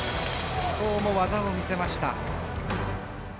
今日も技を見せました。